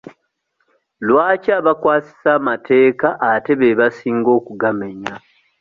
Lwaki abakwasisa amateeka ate be basinga okugamenya?